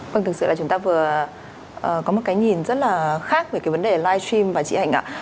vâng thực sự là chúng ta vừa có một cái nhìn rất là khác về cái vấn đề live stream và chị hạnh ạ